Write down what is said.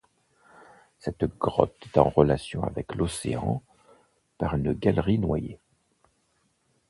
Cette grotte est en relation avec l'océan par une galerie noyée.